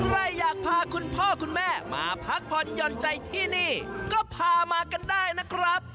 ใครอยากพาคุณพ่อคุณแม่มาพักผ่อนหย่อนใจที่นี่ก็พามากันได้นะครับ